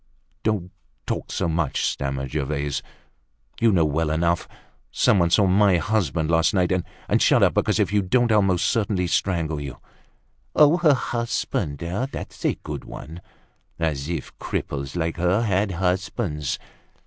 "Don't talk so much," stammered Gervaise. "You know well enough. Some one saw my husband last night. And shut up, because if you don't I'll most certainly strangle you." "Her husband! That's a good one! As if cripples like her had husbands!